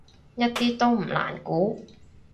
一啲都唔難估